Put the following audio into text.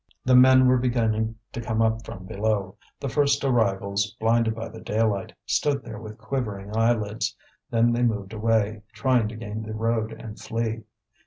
The men were beginning to come up from below. The first arrivals, blinded by the daylight, stood there with quivering eyelids. Then they moved away, trying to gain the road and flee.